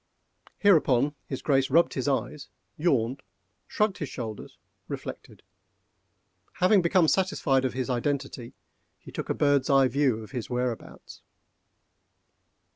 Hereupon his Grace rubbed his eyes, yawned, shrugged his shoulders, reflected. Having become satisfied of his identity, he took a bird's eye view of his whereabouts.